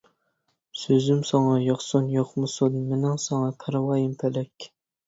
سۆزۈم ساڭا ياقسۇن ياقمىسۇن، مىنىڭ ساڭا پەرۋايىم پەلەك.